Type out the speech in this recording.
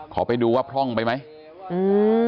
ขอไปดูว่าพร่องไปไหม